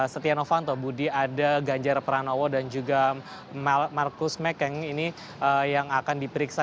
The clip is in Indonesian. setia novanto budi ada ganjar pranowo dan juga markus mekeng ini yang akan diperiksa